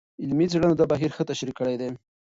علمي څېړنو دا بهیر ښه تشریح کړی دی.